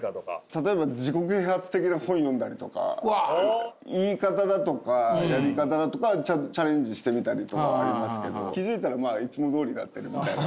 例えば自己啓発的な本読んだりとか言い方だとかやり方だとかチャレンジしてみたりとかはありますけど気付いたらまあいつもどおりだったりみたいな。